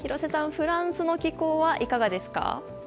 フランスの気候はいかがですか？